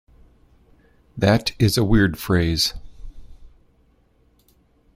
That is a weird phrase.